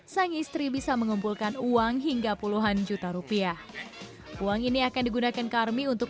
sang istri bisa mengumpulkan uang hingga puluhan juta rupiah uang ini akan digunakan karmi untuk